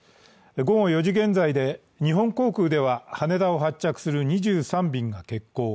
午後４時現在で日本航空では羽田を発着する２３便が欠航。